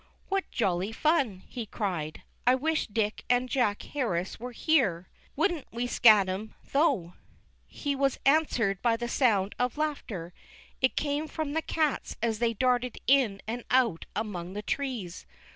"What jolly fun !" he cried. "I wish Dick and Jack Harris were here ; wouldn't we scat 'em, though !" He was answered by the sound of laughter. It came from tlie cats as they darted in and out among the trees.